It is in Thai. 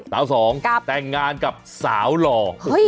สาวสองกับแต่งงานกับสาวหล่อเฮ้ย